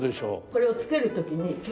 これをつける時に結構。